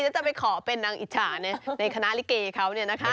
จะไปขอเป็นนางอิจฉาในคณะลิเกเขาเนี่ยนะคะ